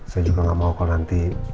saya juga nggak mau kalau nanti